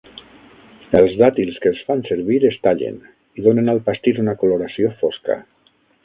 Els dàtils que es fan servir es tallen, i donen al pastís una coloració fosca.